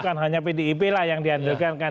bukan hanya pdip lah yang dianjurkan kan